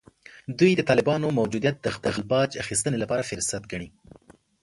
دوی د طالبانو موجودیت د خپل باج اخیستنې لپاره فرصت ګڼي